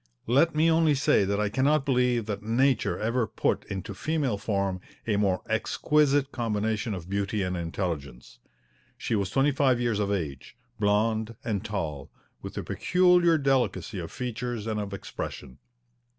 Let me only say that I cannot believe that Nature ever put into female form a more exquisite combination of beauty and intelligence. She was twenty five years of age, blonde and tall, with a peculiar delicacy of features and of expression.